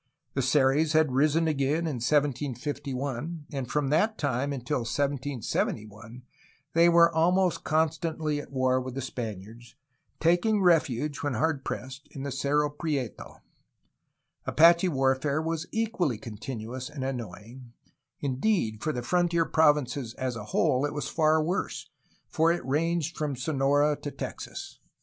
The Seris had risen again in 1751, and from that time until 1771 they were almost con stantly at war with the Spaniards, taking refuge, when hard pressed, in the Cerro Prieto. Apache warfare was equally continuous and annoying; indeed, for the frontier provinces as a whole it was far worse, as it ranged from Sonora to Texas.